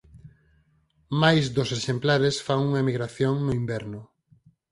Máis dos exemplares fan unha emigración no inverno.